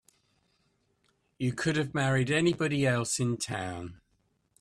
You could have married anybody else in town.